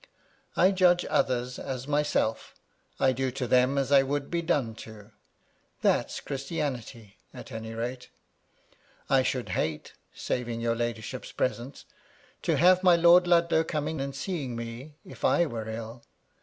I judge others as myself; I do to them as I would be done to. That's Qiristianity, at any rata I should hate — saving your, ladyship's presence — ^to have my Lord Ludlow coming and seeing me, if I were ill.